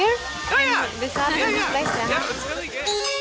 ya ini sangat enak